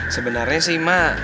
sebenarnya sih ma